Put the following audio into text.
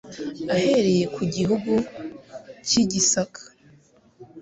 ahereye ku gihugu cy' i Gisaka.